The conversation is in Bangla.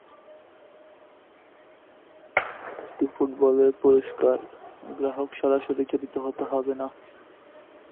পুরস্কার গ্রাহক সরাসরি এটি ফুটবলের সাথে জড়িত হতে হবে না।